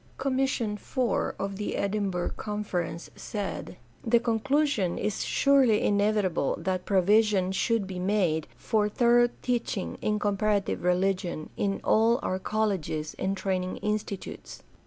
Commission IV of the Edinburgh Conference said: The conclusion is surely inevitable that provision should be made for thorough teaching in comparative religion in all our colleges and training institutes.